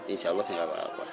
insya allah tidak apa apa